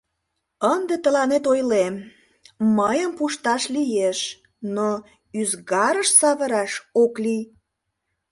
— Ынде тыланет ойлем: мыйым пушташ лиеш, но ӱзгарыш савыраш ок лий.